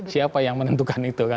siapa yang menentukan itu